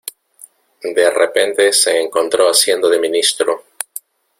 De repente se encontró haciendo de ministro.